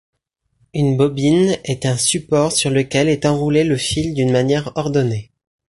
Une bobine est un support sur lequel est enroulé le fil d’une manière ordonnée.